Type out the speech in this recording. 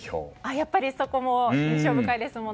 やっぱり、そこも印象深いですもんね。